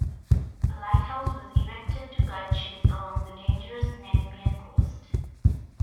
A lighthouse was erected to guide ships along the dangerous Namibian coast.